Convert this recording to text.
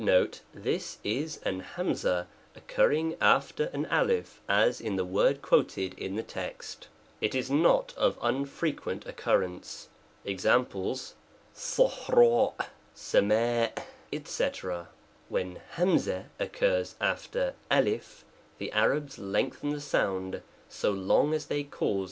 In the * This is an '^occurring after an j as in the word quoted in the text, it is not of unfrequent occurrence examples [1ja 9 } l y * &c. When ' occurs after J , the Arabs lengthen the k sound so long as they cause.